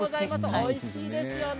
おいしいですよね。